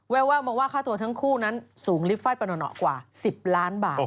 แววมาว่าค่าตัวทั้งคู่นั้นสูงลิฟต์ไฟล์ประหนอกว่า๑๐ล้านบาท